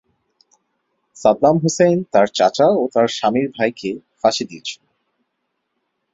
Saddam Hussein তার চাচা ও তার স্বামীর ভাইকে ফাঁসি দিয়েছিল।